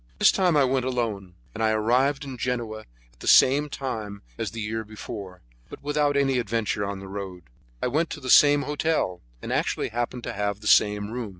This time I went alone, and I arrived at Genoa at the same time as the year before, but without any adventure on the road. I went to the same hotel, and actually happened to have the same room.